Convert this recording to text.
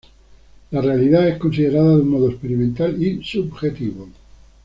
La realidad es considerada de un modo experimental y subjetivo.